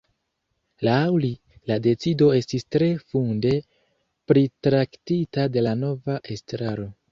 Laŭ li, la decido estis tre funde pritraktita de la nova estraro.